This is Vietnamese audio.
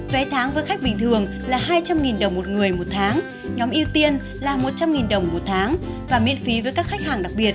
vé tháng với khách bình thường là hai trăm linh đồng một người một tháng nhóm ưu tiên là một trăm linh đồng một tháng và miễn phí với các khách hàng đặc biệt